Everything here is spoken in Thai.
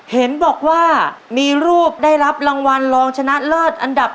เห็นบอกว่ามีรูปได้รับรางวัลรองชนะเลิศอันดับ